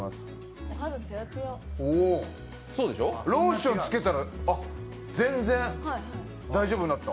おお、ローションつけたら全然大丈夫になった。